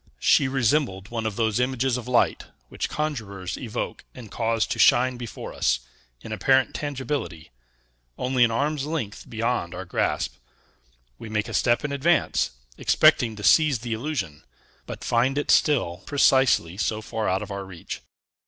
She resembled one of those images of light, which conjurers evoke and cause to shine before us, in apparent tangibility, only an arm's length beyond our grasp: we make a step in advance, expecting to seize the illusion, but find it still precisely so far out of our reach.